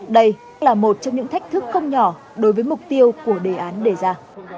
đây là một trong những thách thức không nhỏ đối với mục tiêu của đề án đề ra